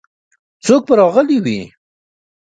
څوک به راغلي وي؟